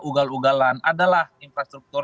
ugal ugalan adalah infrastruktur